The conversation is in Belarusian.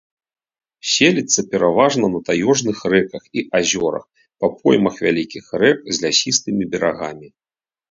Селіцца пераважна на таежных рэках і азёрах па поймах вялікіх рэк з лясістымі берагамі.